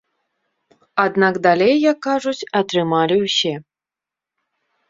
Аднак далей, як кажуць, атрымалі ўсе.